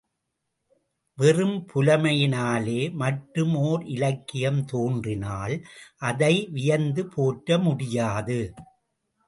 வெறும் புலமையினாலே மட்டும் ஓர் இலக்கியம் தோன்றினால் அதை வியந்து போற்ற முடியாது.